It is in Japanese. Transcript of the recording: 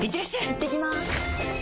いってきます！